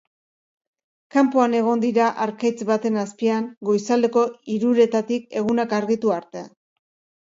Kanpoan egon dira harkaitz baten azpian goizaldeko hiruretatik egunak argitu arte.